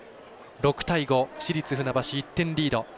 ６対５、市立船橋１点リード。